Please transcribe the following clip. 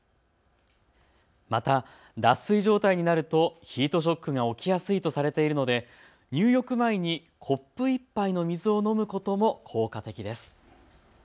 また脱水状態になるとヒートショックが起きやすいとされているので入浴前にコップ１杯の水を飲むことも効果的です。